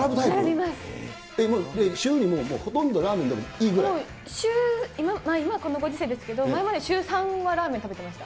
週に、ほとんどラーメンでももう、今、このご時世ですけど、前まで週３はラーメン食べてました。